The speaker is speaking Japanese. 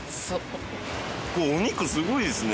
これお肉すごいですね。